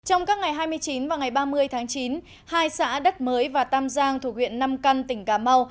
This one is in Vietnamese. trong các ngày hai mươi chín và ngày ba mươi tháng chín hai xã đất mới và tam giang thuộc huyện nam căn tỉnh cà mau